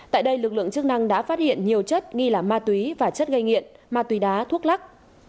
tại đây lực lượng chức năng đã phát hiện nhiều chất nghi là ma túy và chất gây nghiện ma túy đá thuốc lắc